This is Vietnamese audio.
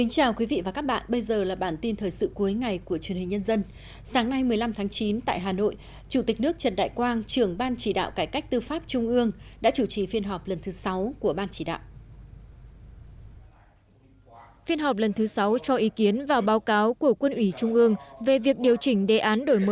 chào mừng quý vị đến với bản tin thời sự cuối ngày của truyền hình nhân dân